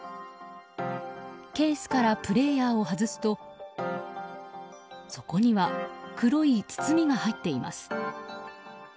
ケースからプレーヤーを外すと底には黒い包みが入っています。